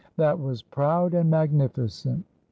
That was proud and magnificent.